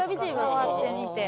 触ってみて。